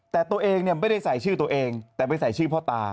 แต่ตัวเองไม่ได้ใส่ชื่อตัวเองแต่ไปใส่ชื่อพ่อตา